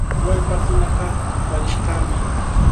Wallpaakunaqa paarishqami.